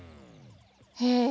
へえ。